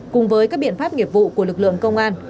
cùng với các biện pháp nghiệp vụ của lực lượng công an